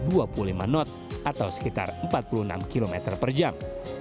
atau dua puluh lima knot atau sekitar empat puluh enam km per jam